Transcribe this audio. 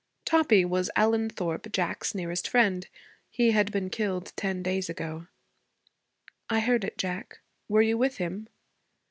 Toppie was Alan Thorpe, Jack's nearest friend. He had been killed ten days ago. 'I heard it, Jack. Were you with him?'